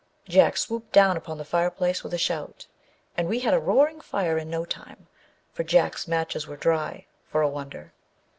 Jack swooped down upon the fireplace with a shout, and we had a roaring fire in no time, for Jack's matches were dry, for a wonder.